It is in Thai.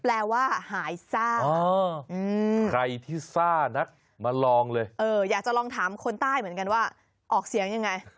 แปลว่าหายซ่าใครที่ซ่านักมาลองเลยอยากจะลองถามคนใต้เหมือนกันว่าออกเสียงยังไง